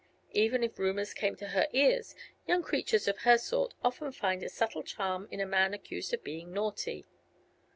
Even if rumors came to her ears, young creatures of her sort often find a subtle charm in a man accused of being 'naughty.'"